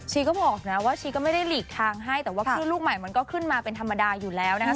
ก็บอกนะว่าชีก็ไม่ได้หลีกทางให้แต่ว่าคลื่นลูกใหม่มันก็ขึ้นมาเป็นธรรมดาอยู่แล้วนะครับ